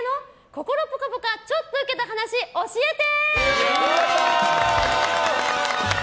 心ぽかぽかちょっとウケた話教えて。